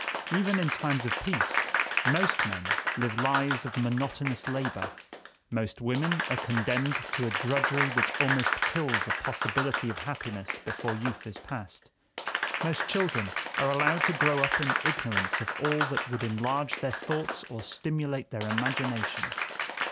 Even in times of peace, most men live lives of monotonous labor, most women are condemned to a drudgery which almost kills the possibility of happiness before youth is past, most children are allowed to grow up in ignorance of all that would enlarge their thoughts or stimulate their imagination.